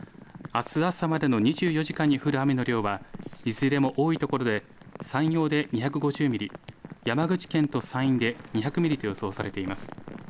あす朝までの２４時間に降る雨の量は、いずれも多い所で山陽で２５０ミリ、山口県と山陰で２００ミリと予想されています。